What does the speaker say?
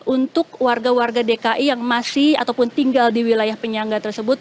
untuk warga warga dki yang masih ataupun tinggal di wilayah penyangga tersebut